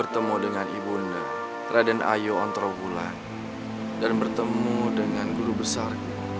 semua kekuatan ini berasal